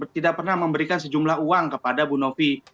tidak pernah memberikan sejumlah uang kepada bu novi